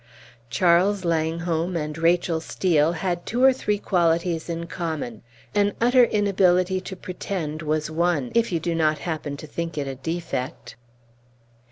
Charles Langholm and Rachel Steel had two or three qualities in common: an utter inability to pretend was one, if you do not happen to think it a defect.